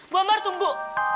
bu ambar tunggu